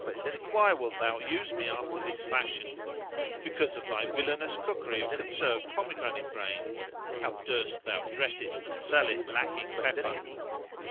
"And why wilt thou use me after this fashion?" "Because of thy villanous cookery of conserved pomegranate grains; how durst thou dress it and sell it lacking pepper?"